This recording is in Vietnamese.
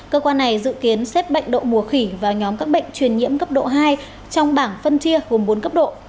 cơ quan này dự kiến xếp bệnh đậu mùa khỉ vào nhóm các bệnh truyền nhiễm cấp độ hai trong bảng phân chia gồm bốn cấp độ